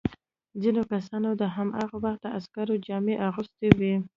ځینو کسانو د هماغه وخت د عسکرو جامې اغوستي وې.